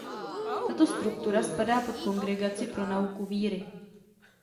Tato struktura spadá pod Kongregaci pro nauku víry.